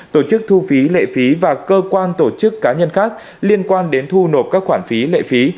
tổ chức thu phí lệ phí và cơ quan tổ chức cá nhân khác liên quan đến thu nộp các khoản phí lệ phí